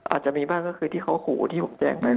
อาจจะมีบ้างก็คือที่เขาขู่ที่ผมแจ้งไป